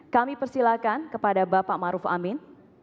kami persilakan kepada bapak maruf amin